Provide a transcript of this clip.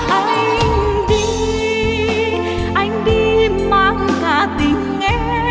anh đi anh đi mang cả tình em